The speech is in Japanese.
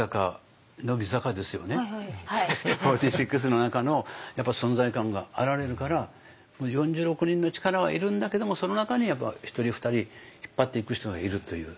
４６の中のやっぱ存在感があられるから４６人の力はいるんだけどもその中にやっぱ１人２人引っ張っていく人がいるという。